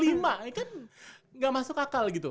ini kan nggak masuk akal gitu